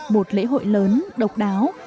một lễ hội lớn độc đáo